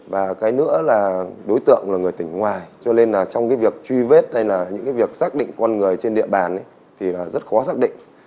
và cái nữa là đối tượng là người tỉnh ngoài cho nên là trong cái việc truy vết hay là những cái việc xác định con người trên địa bàn thì là rất khó xác định